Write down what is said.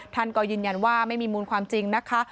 ท่านก็ยืนยันว่าไม่มีมูลความจริงนะคะ